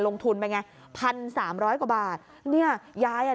ลงทุนไปไงพันสามร้อยกว่าบาทเนี่ยยายอ่ะ